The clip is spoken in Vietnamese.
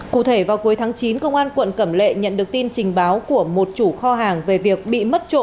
cụ thể vào cuối tháng chín công an quận cẩm lệ nhận được tin trình báo của một chủ kho hàng về việc bị mất trộm